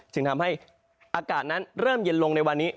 จึงทำให้อากาศนั้นเริ่มเย็นลงในวันนี้